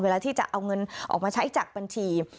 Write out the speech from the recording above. เวลาที่จะเอาเงินออกมาใช้จากบัญชี